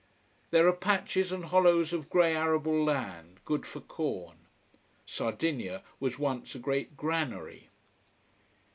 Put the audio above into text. There are patches and hollows of grey arable land, good for corn. Sardinia was once a great granary.